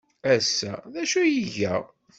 Ass-a, d acu ay iga?